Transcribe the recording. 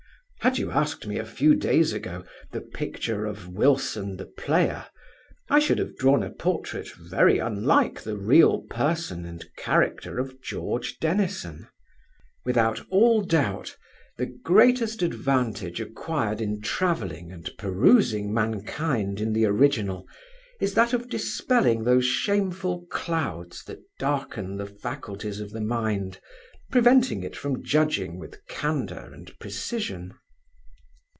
Had you asked me a few days ago, the picture of Wilson the player, I should have drawn a portrait very unlike the real person and character of George Dennison. Without all doubt, the greatest advantage acquired in travelling and perusing mankind in the original, is that of dispelling those shameful clouds that darken the faculties of the mind, preventing it from judging with candour and precision.